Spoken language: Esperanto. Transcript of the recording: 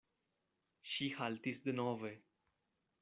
Ŝi haltis denove.